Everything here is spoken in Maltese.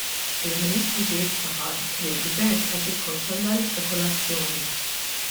Il-Ministru ġie jiftaħar li l-Gvern qed jikkontrolla l-ispekulazzjoni.